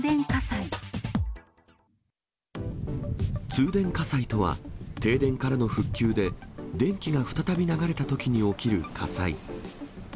通電火災とは、停電からの復旧で、電気が再び流れたときに起きる火災。